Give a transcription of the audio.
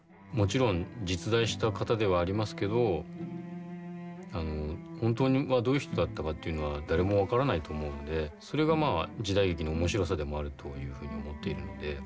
もちろん実在した方ではありますけど本当はどういう人だったかっていうのは誰も分からないと思うんでそれがまあ時代劇の面白さでもあるというふうに思っているんで